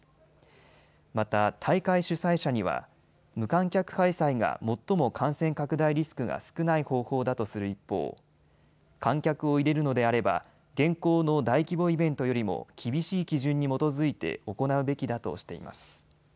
また大会主催者には無観客開催が最も感染拡大リスクが少ない方法だとする一方、観客を入れるのであれば現行の大規模イベントよりも厳しい基準に基づいて行うべきだとしています。